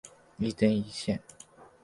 一针一线